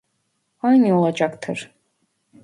Aynı olacaktır